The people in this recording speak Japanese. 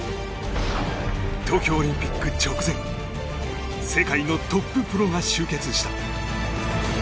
東京オリンピック直前世界のトッププロが集結した。